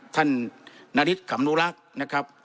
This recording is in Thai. ท่านณฤษ์ขำนุรักษ์